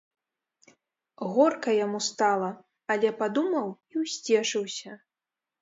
Горка яму стала, але падумаў і ўсцешыўся.